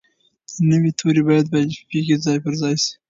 نوي توري باید په الفبې کې ځای پر ځای شي.